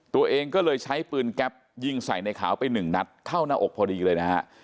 ตัวเองก็เลยใช้ปืนแก๊ปยิงใส่ในขาวไปหนึ่งนัดเข้าหน้าอกพอดีเลยนะฮะ